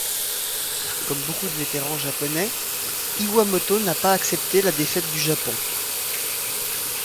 Comme beaucoup de vétérans japonais, Iwamoto n'a pas accepté la défaite du Japon.